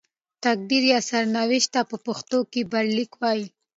تقدیر یا سرنوشت ته په پښتو کې برخلیک وايي.